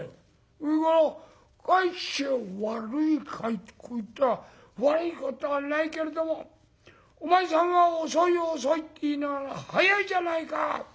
それから『帰ってきたら悪いかい？』とこう言ったら『悪いことはないけれどもお前さんは遅い遅いって言いながら早いじゃないか！